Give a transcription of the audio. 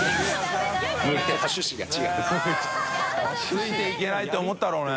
ついて行けないって思ったろうね。